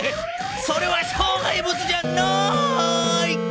それはしょう害物じゃない！